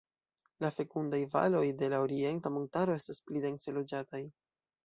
La fekundaj valoj de la Orienta Montaro estas pli dense loĝataj.